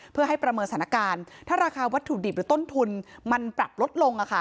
เพื่อให้ประเมินสถานการณ์ถ้าราคาวัตถุดิบหรือต้นทุนมันปรับลดลง